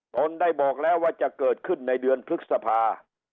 ตนได้บอกแล้วว่าจะเกิดขึ้นในเดือนพฤษภา